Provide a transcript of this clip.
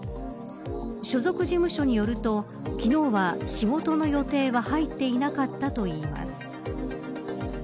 所属事務所によると昨日は仕事の予定は入っていなかったといいます。